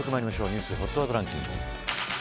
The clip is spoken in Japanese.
ニュースＨＯＴワードランキング。